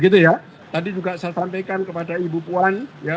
tadi juga saya sampaikan kepada ibu puan